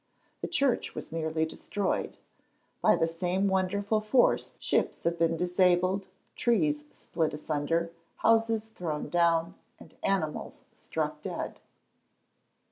The church was nearly destroyed. By the same wonderful force, ships have been disabled, trees split asunder, houses thrown down, and animals struck dead.